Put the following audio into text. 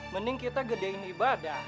mending kita gedein ibadah